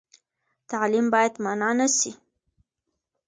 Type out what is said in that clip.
تعلیم باید منع نه سي.